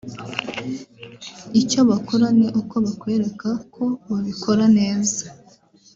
Icyo bakora ni uko bakwereka ko babikora neza